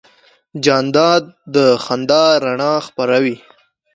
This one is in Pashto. جانداد د خندا رڼا خپروي.